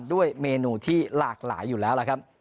ด้วยเมนูที่หลากหลายอยู่แล้ว